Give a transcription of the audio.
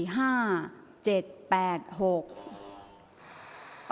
ออกรางวัลที่๖